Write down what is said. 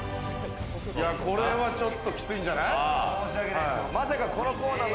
これはちょっときついんじゃない。